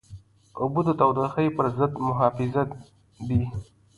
اوبه د تودوخې پر ضد محافظ دي.